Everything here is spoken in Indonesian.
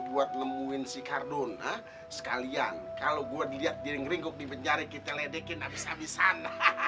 buat nemuin si kardon sekalian kalau gua dilihat diri ngeringguk di penjara kita ledekin habis habisan